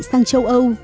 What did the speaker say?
sang châu âu